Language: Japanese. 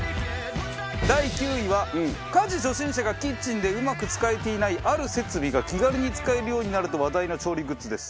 第９位は家事初心者がキッチンでうまく使えていないある設備が気軽に使えるようになると話題の調理グッズです。